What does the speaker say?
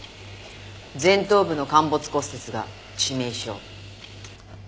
前頭部の陥没骨折が致命傷。